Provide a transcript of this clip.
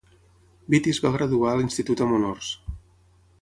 Beattie es va graduar a l'institut amb honors.